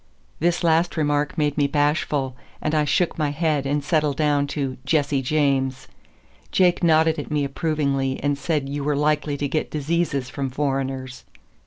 This last remark made me bashful, and I shook my head and settled down to "Jesse James." Jake nodded at me approvingly and said you were likely to get diseases from foreigners.